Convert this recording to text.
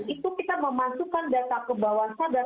itu kita memasukkan data ke bawah sadar